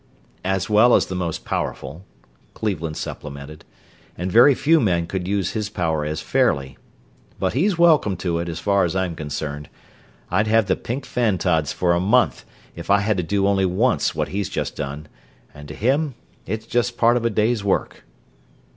"As well as the most powerful," Cleveland supplemented. "And very few men could use his power as fairly but he's welcome to it, as far as I'm concerned. I'd have the pink fantods for a month if I had to do only once what he's just done and to him it's just part of a day's work."